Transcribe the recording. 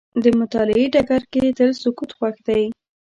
د مطالعې ډګر کې تل سکوت خوښ دی.